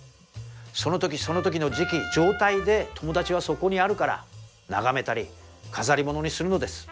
その時その時の時季状態で友達はそこにあるから眺めたり飾り物にするのです。